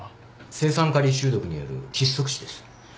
青酸カリ中毒による窒息死です。